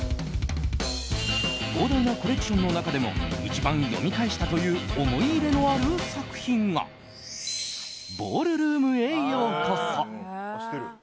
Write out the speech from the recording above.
膨大なコレクションの中でも一番読み返したという思い入れのある作品が「ボールルームへようこそ」。